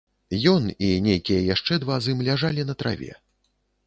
Ён і нейкія яшчэ два з ім ляжалі на траве.